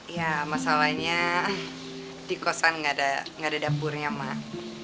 ya masalahnya di kosan nggak ada dapurnya mak